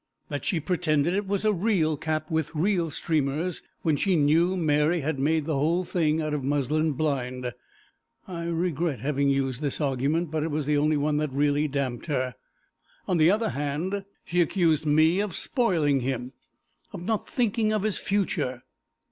That she pretended it was a real cap, with real streamers, when she knew Mary had made the whole thing out of a muslin blind. I regret having used this argument, but it was the only one that really damped her. On the other hand, she accused me of spoiling him. Of not thinking of his future.